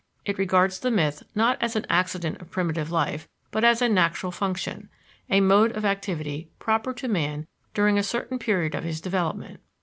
It regards the myth not as an accident of primitive life, but as a natural function, a mode of activity proper to man during a certain period of his development.